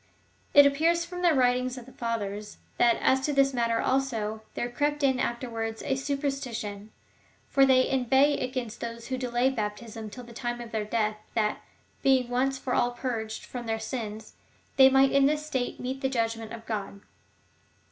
It appears from the writings of the Fathers, that as to this matter, also, there crept in afterwards a superstition, for they inveigh against those who delayed baptism till the time of their death, that, being once for all purged from all their sins, they might in this state meet the judgment of God.